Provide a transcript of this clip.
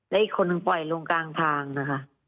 และอีกคนนึงปล่อยลงกลางทางนะคะ